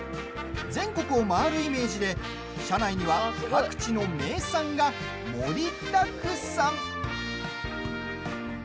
全国を回るイメージで車内には各地の名産が盛りだくさん！